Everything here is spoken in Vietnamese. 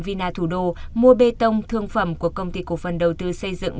vina thủ đô mua bê tông thương phẩm của công ty cổ phần đầu tư xây dựng